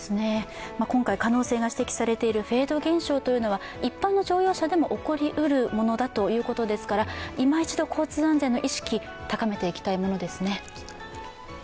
今回、可能性が指摘されているフェード現象というのは一般の乗用車でも起こり得るものだということですから、いま一度交通安全の意識高めていきたいものですね。